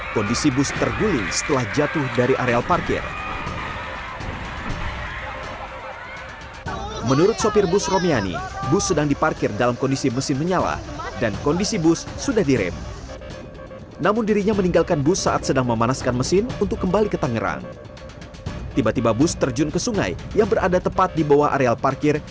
kondisi bus terguling setelah jatuh dari areal parkir